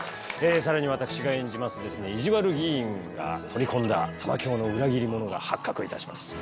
さらに私が演じます意地悪議員が取り込んだ玉響の裏切り者が発覚いたします。